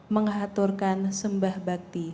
mengaturkan sembah bakti